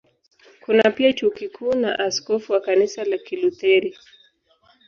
Kuna pia Chuo Kikuu na askofu wa Kanisa la Kilutheri.